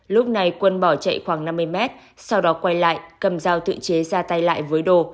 lúc này quân bỏ chạy khoảng năm mươi mét sau đó quay lại cầm dao tự chế ra tay lại với đô